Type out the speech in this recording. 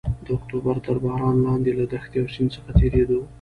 د اکتوبر تر باران لاندې له دښتې او سیند څخه تېرېدو.